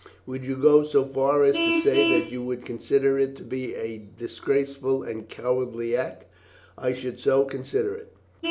"Would you go so far as to say that you would consider it to be a disgraceful and cowardly act?" "I should so consider it."